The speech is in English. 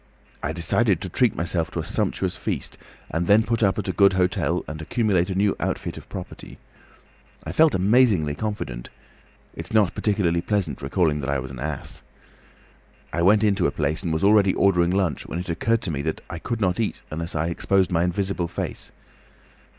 I decided to treat myself to a sumptuous feast, and then put up at a good hotel, and accumulate a new outfit of property. I felt amazingly confident; it's not particularly pleasant recalling that I was an ass. I went into a place and was already ordering lunch, when it occurred to me that I could not eat unless I exposed my invisible face.